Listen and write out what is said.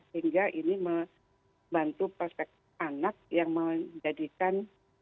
sehingga ini membantu perspektif anak yang menjadikan